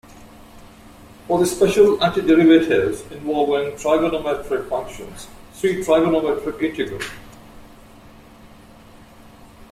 For the special antiderivatives involving trigonometric functions, see Trigonometric integral.